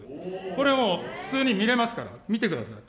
これはもう、普通に見れますから、見てください。